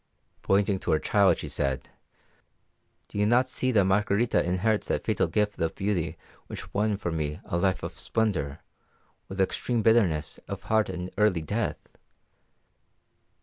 "Pointing to her child, she said, 'Do you not see that Margarita inherits that fatal gift of beauty which won for me a life of splendour, with extreme bitterness of heart and early death?